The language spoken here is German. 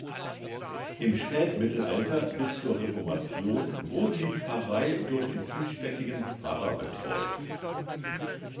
Im Spätmittelalter bis zur Reformation wurde die Pfarrei durch den zuständigen Pfarrer betreut.